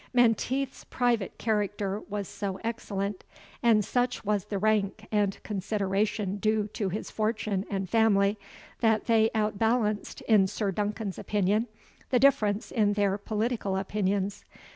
Menteith's private character was so excellent, and such was the rank and consideration due to his fortune and family, that they outbalanced, in Sir Duncan's opinion, the difference in their political opinions.